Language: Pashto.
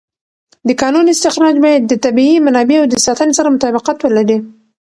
د کانونو استخراج باید د طبیعي منابعو د ساتنې سره مطابقت ولري.